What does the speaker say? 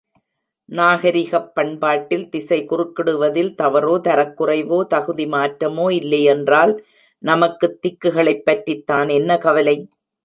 நாகரிகப் பண்பாட்டில் திசை குறுக்கிடுவதில் தவறோ, தரக்குறைவோ, தகுதி மாற்றமோ இல்லையென்றால், நமக்குத் திக்குகளைப் பற்றித்தான் என்ன கவலை?